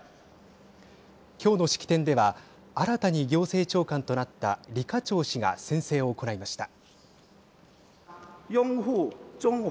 きょうの式典では新たに行政長官となった李家超氏が宣誓を行いました。